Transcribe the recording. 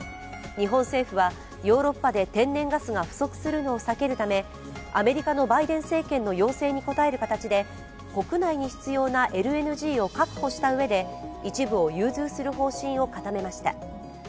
日本政府はヨーロッパで天然ガスが不足するのを避けるためアメリカのバイデン政権の要請に応える形で国内に必要なＬＮＧを確保したうえで一部を融通する方針を固めました。